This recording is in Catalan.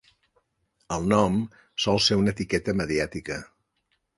El nom sol ser una etiqueta mediàtica.